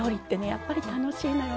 やっぱり楽しいのよね。